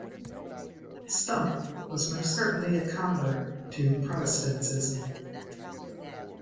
Stumpp was most certainly a convert to Protestantism.